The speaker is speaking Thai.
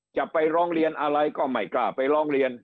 จะไปร้องเรียนอะไรก็ไม่กล้าไปร้องเรียน